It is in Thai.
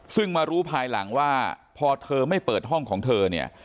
ซึ่งมารู้ภายหลังว่าพอเธอไม่เปิดห้องของเธอเนี่ย